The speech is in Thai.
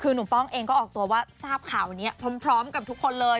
คือหนุ่มป้องเองก็ออกตัวว่าทราบข่าวนี้พร้อมกับทุกคนเลย